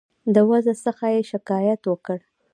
د وضع څخه یې شکایت وکړ.